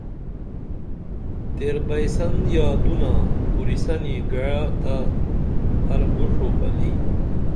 تیر بئی سن یادونا پُریسنی گعییا تہ ہر گڇھو و بلی